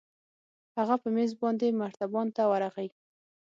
هغه په مېز باندې مرتبان ته ورغى.